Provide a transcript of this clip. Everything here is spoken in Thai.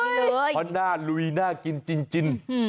เพราะหน้าลุยน่ากินจริง